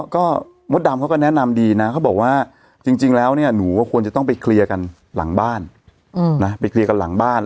ก็มดดำเขาก็แนะนำดีนะเขาบอกว่าจริงแล้วเนี่ยหนูก็ควรจะต้องไปเคลียร์กันหลังบ้าน